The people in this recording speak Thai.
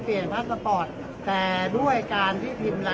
อันนี้คือ๑จานที่คุณคุณค่อยอยู่ด้านข้างข้างนั้น